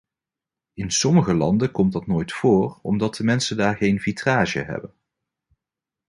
In sommige landen komt dat nooit voor, omdat de mensen daar geen vitrage hebben.